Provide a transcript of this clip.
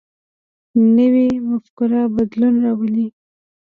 نوی مفکوره بدلون راولي